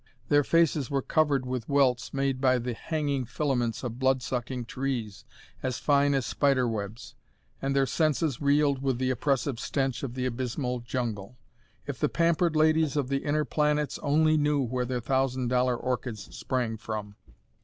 Their faces were covered with welts made by the hanging filaments of blood sucking trees as fine as spider webs, and their senses reeled with the oppressive stench of the abysmal jungle. If the pampered ladies of the Inner Planets only knew where their thousand dollar orchids sprang from!